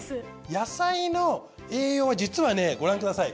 野菜の栄養は実はねご覧ください。